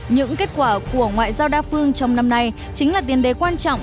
những kết quả của ngoại giao đa phương trong năm nay chính là tiền đề quan trọng